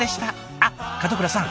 あっ門倉さん